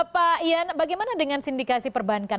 pak ian bagaimana dengan sindikasi perbankan